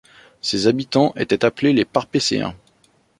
Ses habitants étaient appelés les Parpecéens.